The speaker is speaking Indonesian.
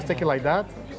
hahaha aku lihat